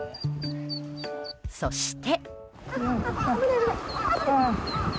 そして。